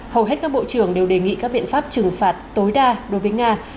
hầu hết các bộ trưởng đều đề nghị các biện pháp trừng phạt tối đa đối với nga